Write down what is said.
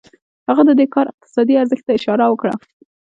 هغه د دې کار اقتصادي ارزښت ته اشاره وکړه